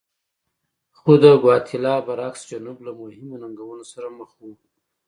خو د ګواتیلا برعکس جنوب له مهمو ننګونو سره مخ و.